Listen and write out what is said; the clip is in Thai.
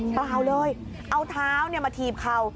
เปล่าเลยเอาเท้ามาถีบเข่า